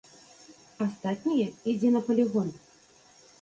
Астатняе ідзе на палігон.